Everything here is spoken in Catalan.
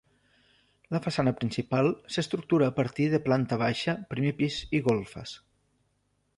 La façana principal s'estructura a partir de planta baixa, primer pis i golfes.